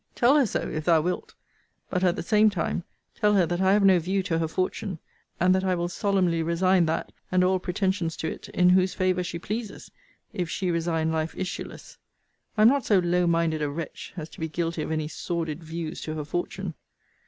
Tell her so, if thou wilt: but, at the same time, tell her that I have no view to her fortune; and that I will solemnly resign that, and all pretensions to it, in whose favour she pleases, if she resign life issueless. I am not so low minded a wretch, as to be guilty of any sordid views to her fortune.